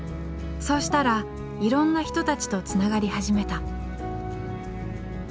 そうしたらいろんな人たちとつながり始めた。